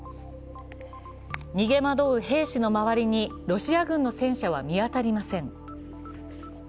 逃げ惑う兵士の周りにロシア軍の戦車は見当たりません。